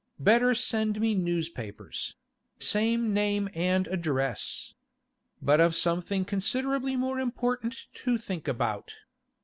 Better send me newspapers—same name and address. ... But I've something considerably more important to think about.